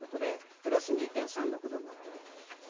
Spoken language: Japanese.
プラス２．３６度になっている。